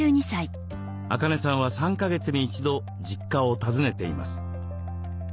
アカネさんは３か月に一度実家を訪ねています。